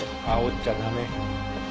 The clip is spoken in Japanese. あおっちゃ駄目。